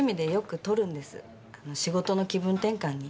仕事の気分転換に。